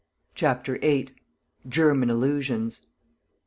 CHAPTER VIII. GERMAN ILLUSIONS.